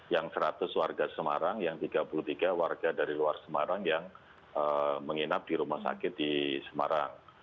yang seratus warga semarang yang tiga puluh tiga warga dari luar semarang yang menginap di rumah sakit di semarang